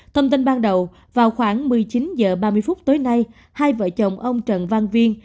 thông tin ban đầu vào khoảng một mươi chín h ba mươi phút tối nay hai vợ chồng ông trần văn viên